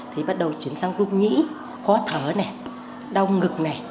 thì bắt đầu chuyển sang rung nhĩ khó thở đau ngực